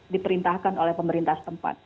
diperintahkan oleh pemerintah tempat